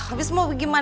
habis mau pergi mana